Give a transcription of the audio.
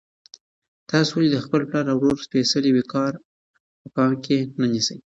تاسو ولې د خپل پلار او ورور سپېڅلی وقار په پام کې نه نیسئ؟